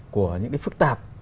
của những cái phức tạp